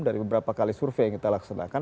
dari beberapa kali survei yang kita laksanakan